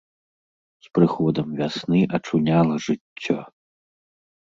З прыходам вясны ачуняла жыццё.